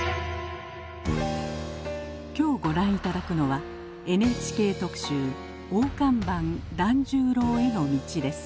今日ご覧頂くのはＮＨＫ特集「大看板團十郎への道」です。